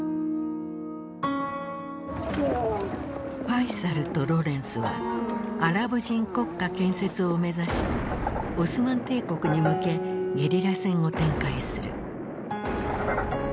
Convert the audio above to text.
ファイサルとロレンスはアラブ人国家建設を目指しオスマン帝国に向けゲリラ戦を展開する。